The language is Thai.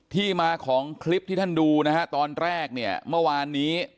ที่มาของคลิปที่ท่านดูตอนแรกเมื่อวานนี้